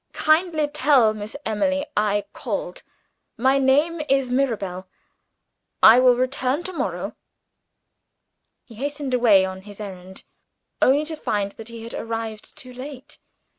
Kindly tell Miss Emily I called my name is Mirabel. I will return to morrow." He hastened away on his errand only to find that he had arrived too late.